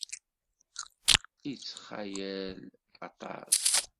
Ittxayal aṭas.